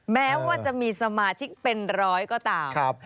แม้ว่าจะมีสมาชิกเป็นร้อยก็ตาม